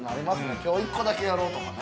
きょう１個だけやろうとかね。